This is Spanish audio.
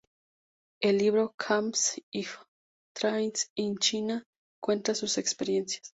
El libro "Camps and trails in China" cuenta sus experiencias.